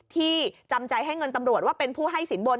ที่จำใจให้เงินตำรวจว่าเป็นผู้ให้สินบน